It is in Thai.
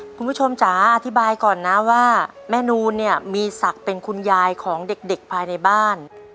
คุณผู้ชมจ๋าอธิบายก่อนนะว่าแม่นูนเนี่ยมีศักดิ์เป็นคุณยายของเด็กภายในบ้าน